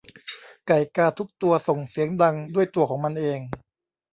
ไก่กาทุกตัวส่งเสียงดังด้วยตัวของมันเอง